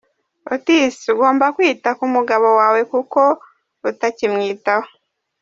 Otis : Ugomba kwita ku mugabo wawe kuko utakimwitaho.